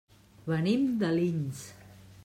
Venim d'Alins.